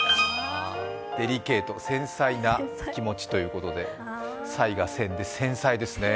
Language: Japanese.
デリケート、繊細な気持ちということで、サイが１０００で繊細ですね。